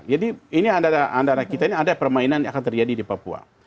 jadi ini antara kita ini ada permainan yang akan terjadi di papua